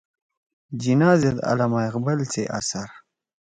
جناح زید علّامہ اقبال سی اثر